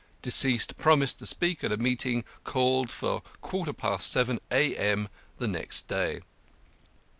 Deceased promised to speak at a meeting called for a quarter past seven A.M. the next day.